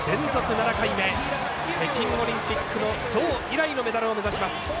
７回目北京オリンピックの銅以来のメダルを目指します。